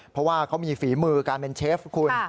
เพราะว่าเขามีฝีมือการเป็นเชฟคุณ